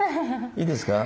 いいですか？